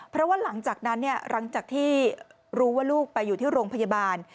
เพราะว่าหลังจากนั้นหลังจากที่รู้ว่าลูกไปอยู่ที่โรงพยาบาล